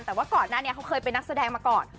แต่ว่าก่อนหน้านี้เขาเคยเป็นนักแสดงมาก่อน